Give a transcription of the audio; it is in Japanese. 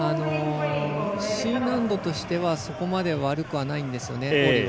Ｃ難度としてはそこまで悪くはないんですね、下りは。